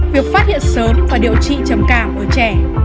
việc phát hiện sớm và điều trị trầm cảm ở trẻ